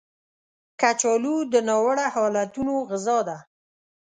کچالو د ناوړه حالتونو غذا ده